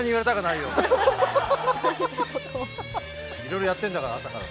いろいろやってんだから、朝から。